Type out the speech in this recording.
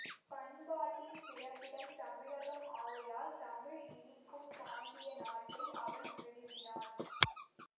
பண்பாட்டின் பிறப்பிடம் தமிழகம் ஆகையால் தமிழ் இனிக்கும் பாண்டிய நாட்டை அவன் விரும்பினான்.